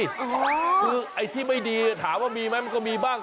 คือไอ้ที่ไม่ดีถามว่ามีไหมมันก็มีบ้าง